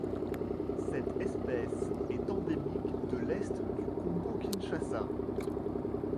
Cette espèce est endémique de l'Est du Congo-Kinshasa.